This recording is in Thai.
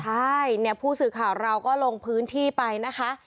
ใช่เนี่ยผู้สื่อข่าวเราก็ลงพื้นที่ไปนะคะ